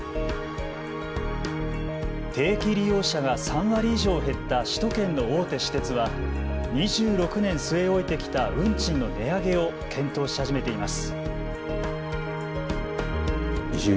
定期利用者が３割以上減った首都圏の大手私鉄は２６年据え置いてきた運賃の値上げを検討し始めています。